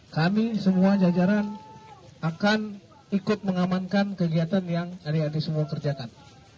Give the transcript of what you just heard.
kami semua jajaran akan ikut mengamankan kegiatan yang adik adik semua kerjakan